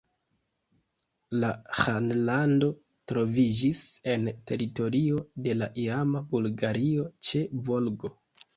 La ĥanlando troviĝis en teritorio de la iama Bulgario ĉe Volgo.